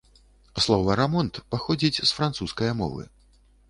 Слова „рамонт“ паходзіць з францускае мовы.